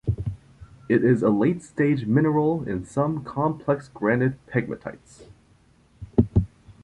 It is a late-stage mineral in some complex granite pegmatites.